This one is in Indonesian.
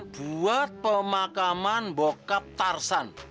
buat pemakaman bokap tarsan